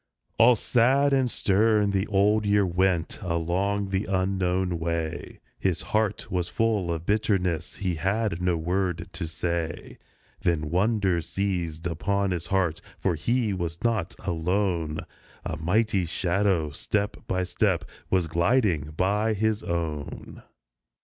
All sad and stern the Old Year went, along the unknown way; His heart was full of bitterness, he had no word to say. Then wonder seized upon his heart, for he was not alone ; A mighty shadow step by step was gliding by his own